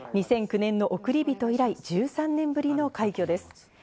２００９年の『おくりびと』以来、１３年ぶりの快挙です。